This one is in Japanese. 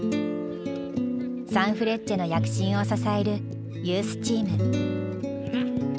サンフレッチェの躍進を支えるユースチーム。